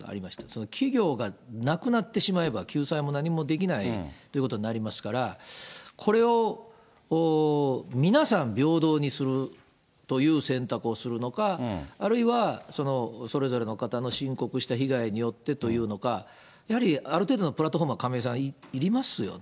その企業がなくなってしまえば、救済も何もできないということになりますから、これを皆さん平等にするという選択をするのか、あるいはそれぞれの方の申告した被害によってというのか、やはりある程度のプラットフォームは亀井さん、いりますよね。